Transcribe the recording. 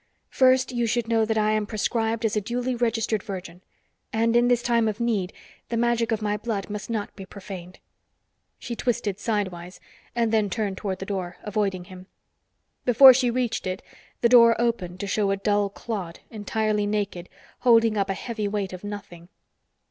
First you should know that I am proscribed as a duly registered virgin. And in this time of need, the magic of my blood must not be profaned." She twisted sidewise, and then turned toward the door, avoiding him. Before she reached it, the door opened to show a dull clod, entirely naked, holding up a heavy weight of nothing.